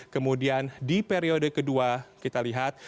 kemudian di periode kedua kita lihat